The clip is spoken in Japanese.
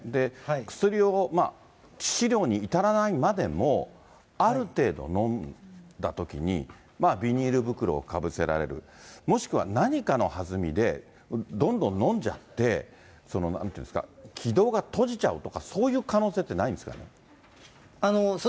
薬を致死量に至らないまでも、ある程度飲んだときに、ビニール袋をかぶせられる、もしくは何かのはずみで、どんどん飲んじゃって、なんていうんですか、気道が閉じちゃうとか、そういう可能性ってないんですかね。